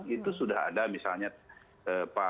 itu sudah ada misalnya